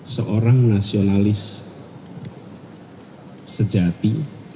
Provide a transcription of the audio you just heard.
seorang nasionalis sejati